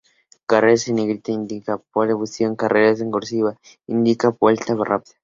Carreras en negrita indica "pole position", carreras en "cursiva" indica vuelta rápida.